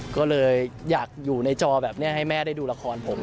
ก็เลยอยากอยู่ในจอแบบนี้ให้แม่ได้ดูละครผม